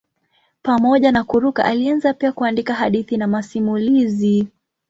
Pamoja na kuruka alianza pia kuandika hadithi na masimulizi.